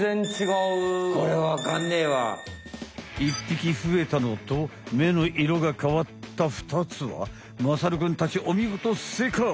１匹増えたのと目の色が変わった２つはまさるくんたちおみごと正解。